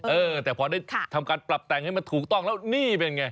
เออแต่พอได้ทำการปรับแต่งให้มันถูกต้องแล้วนี่เป็นไง